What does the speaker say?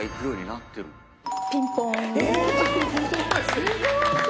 すごーい！